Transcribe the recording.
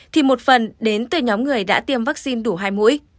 thì một phần đến từ nhóm người đã tiêm vaccine đủ hai mũi